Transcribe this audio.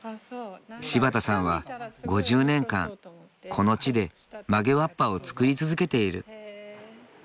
柴田さんは５０年間この地で曲げわっぱを作り続けている。